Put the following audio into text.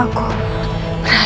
ayo kita yang mencari